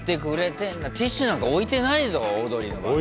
ティッシュなんか置いてないぞオードリーの番組。